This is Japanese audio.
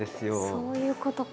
そういうことか。